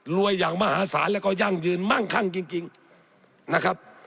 อย่างมหาศาลแล้วก็ยั่งยืนมั่งคั่งจริงนะครับ